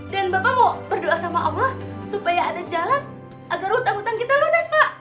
dan bapak mau berdoa sama allah supaya ada jalan agar utang utang kita lunas pak